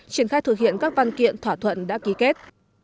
triển khai thực hiện các văn kiện thỏa thuận đã ký kết